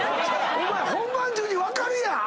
お前本番中に分かるやん！